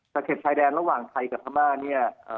เข็บชายแดนระหว่างไทยกับพม่าเนี่ย